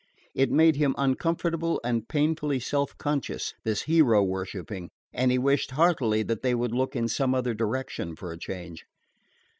It made him uncomfortable and painfully self conscious, this hero worshiping, and he wished heartily that they would look in some other direction for a change.